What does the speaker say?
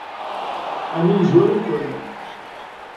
Ɛni yezwar-iken?